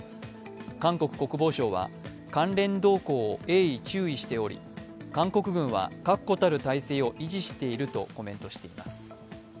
韓国国防省は関連動向を鋭意注視しており韓国軍は確固たる態勢を維持しているとコメントしています。